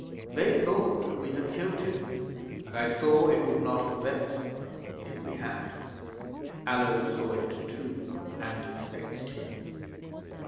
They thought we had killed him, and I saw it would not have vexed them if we had. Allo saw it too, and it vexed him.